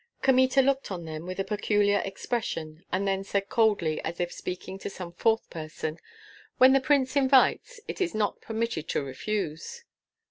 Kmita looked on them with a peculiar expression, and then said coldly, as if speaking to some fourth person, "When the prince invites, it is not permitted to refuse."